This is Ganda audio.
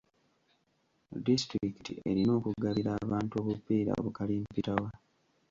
Distitulikiti erina okugabira abantu obupiira bu kalimpitawa